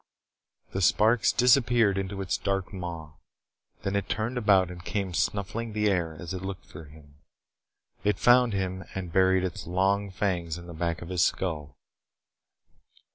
The sparks disappeared into its dark maw. Then it turned about and came snuffling the air as it looked for him. It found him and buried its long fangs in the back of his skull.